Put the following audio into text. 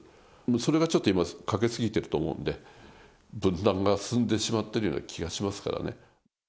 それがちょっと今、欠け過ぎてると思うんで、分断が進んでしまってるような気がするんでね。